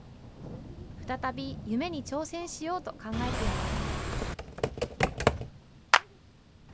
再び夢に挑戦しようと考えています。